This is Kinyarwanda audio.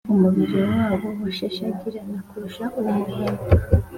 imibiri yabo yashashagiraga kurusha umuhemba,